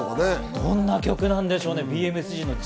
どんな曲なんでしょうね。